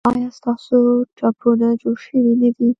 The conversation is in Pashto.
ایا ستاسو ټپونه جوړ شوي نه دي؟